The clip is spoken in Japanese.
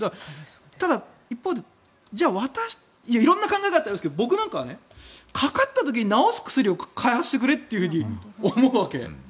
ただ、一方で色んな考え方がありますが僕なんかはねかかった時に治す薬を開発してくれって思うわけ。